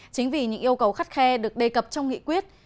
chính vì những yêu cầu khắt khe được đề cập trong nghị quyết